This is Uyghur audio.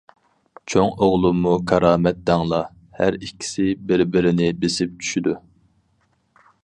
چوڭ ئوغلۇممۇ كارامەت دەڭلا. ھەر ئىككىسى بىر-بىرىنى بېسىپ چۈشىدۇ.